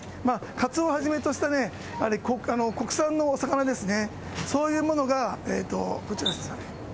カツオをはじめとしたね、国産のお魚ですね、そういうものが、どちらですかね。